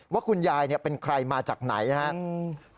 ว่าคุณยายเป็นใครมาจากไหนนะครับ